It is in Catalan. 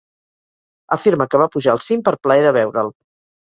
Afirma que va pujar al cim pel plaer de veure'l.